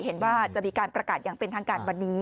เห็นว่าจะมีการประกาศอย่างเป็นทางการวันนี้